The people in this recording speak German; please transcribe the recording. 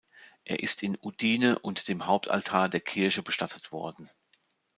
Er ist in Udine unter dem Hauptaltar der Kirche bestattet worden.